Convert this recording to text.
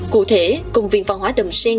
cụ thể công viên văn hóa đầm sen